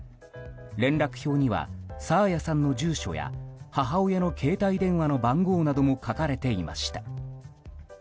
連絡票には爽彩さんの住所や母親の携帯電話の番号なども書かれていました。